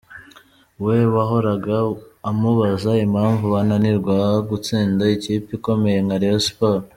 we wahoraga amubaza impamvu bananirwa gutsinda ikipe ikomeye nka Rayon Sports.